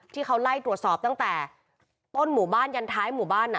ที่เขาไล่ตรวจสอบตั้งแต่ต้นหมู่บ้านยันท้ายหมู่บ้าน